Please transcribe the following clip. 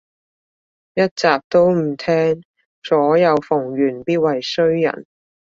一集都唔聼，左右逢源必為衰人